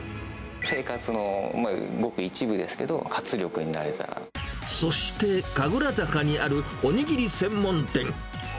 生活の、ごく一部ですけど、そして、神楽坂にあるおにぎり専門店。